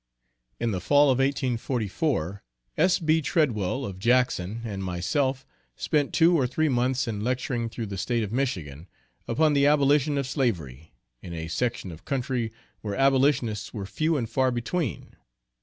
In the fall of 1844, S.B. Treadwell, of Jackson, and myself, spent two or three months in lecturing through the State of Michigan, upon the abolition of slavery, in a section of country where abolitionists were few and far between.